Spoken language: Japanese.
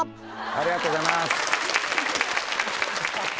ありがとうございます。